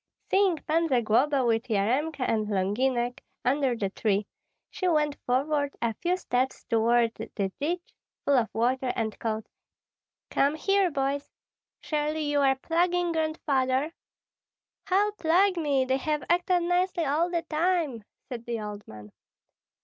Seeing Pan Zagloba with Yaremka and Longinek under the tree, she went forward a few steps toward the ditch, full of water, and called: "Come here, boys! Surely you are plaguing Grandfather?" "How plague me! They have acted nicely all the time," said the old man.